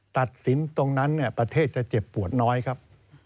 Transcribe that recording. ตัดสินตรงนั้นประเทศจะเจ็บปวดน้อยครับ